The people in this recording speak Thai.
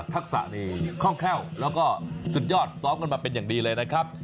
ทักษะนี่คล่องแคล่วแล้วก็สุดยอดซ้อมกันมาเป็นอย่างดีเลยนะครับ